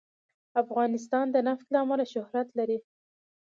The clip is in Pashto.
افغانستان د نفت له امله شهرت لري.